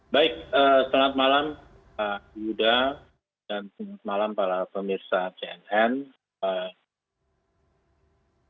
baik selamat malam pak yuda dan selamat malam para pemirsa cnn